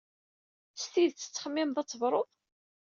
S tidet tettxemmimeḍ ad tebruḍ?